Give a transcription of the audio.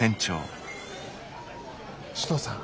首藤さん。